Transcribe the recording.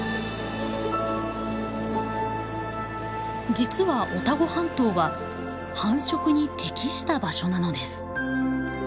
実はオタゴ半島は繁殖に適した場所なのです。